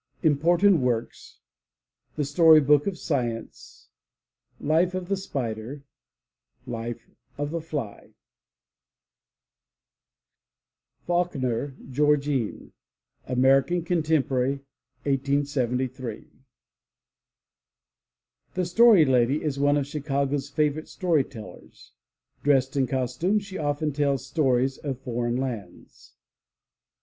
Important Works: The Story Book of Science Life of the Spider Life of the Fly FAULKNER, GEORGENE (American contemporary, 1873 ) "The Story Lady" is one of Chicago's favorite story tellers. Dressed in costume, she often tells stories of foreign lands.